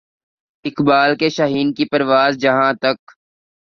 اقبال کے شاھین کی پرواز جہاں تک